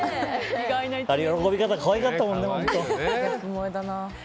喜び方可愛かったもんね。